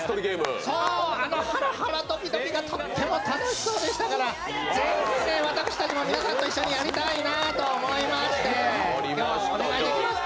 あのハラハラドキドキがとっても楽しそうでしたから、ぜひ私たちも皆さんと一緒にやりたいなと思いましてお願いできますか？